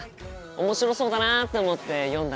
面白そうだなって思って読んだ